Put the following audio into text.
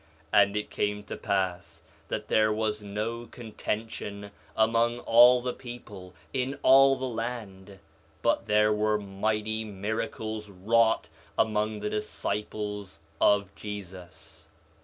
4 Nephi 1:13 And it came to pass that there was no contention among all the people, in all the land; but there were mighty miracles wrought among the disciples of Jesus.